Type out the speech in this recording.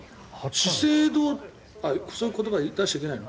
資生堂そういう言葉出しちゃいけないの？